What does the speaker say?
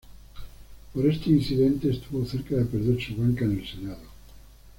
Por este incidente estuvo cerca de perder su banca en el Senado.